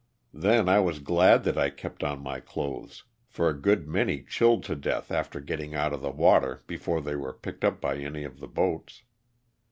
Then I was glad that I kept on my clothes, for a good many chilled to death after getting out of the water before they were picked up by any of the boats.